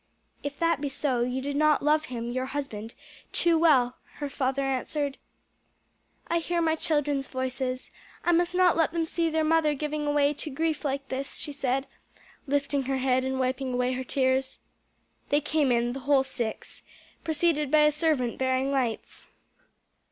"If that be so you did not love him your husband too well," her father answered. "I hear my children's voices; I must not let them see their mother giving way to grief like this," she said, lifting her head and wiping away her tears. They came in the whole six preceded by a servant bearing lights.